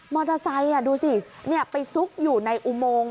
ไซค์ดูสิไปซุกอยู่ในอุโมง